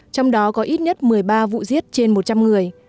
trong đó có ít nhất một mươi ba vụ giết trên một trăm linh người